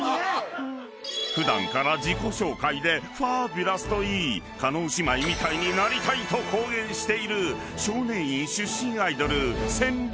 ［普段から自己紹介でファビュラスと言い叶姉妹みたいになりたいと公言している少年院出身アイドル戦慄］